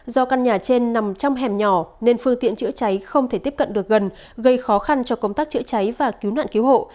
do căn nhà trên nằm trong hẻm nhỏ nên phương tiện chữa cháy không thể tiếp cận được gần gây khó khăn cho công tác chữa cháy và cứu nạn cứu hộ